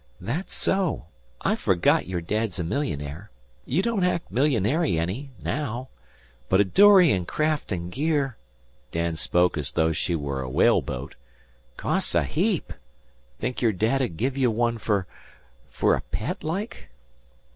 "That's so. I forgot your dad's a millionaire. You don't act millionary any, naow. But a dory an' craft an' gear" Dan spoke as though she were a whaleboat "costs a heap. Think your dad 'u'd give you one fer fer a pet like?"